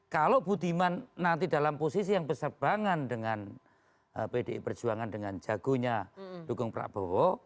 kalau budiman nanti dalam posisi yang bersebangan dengan pdi perjuangan dengan jagonya dukung prabowo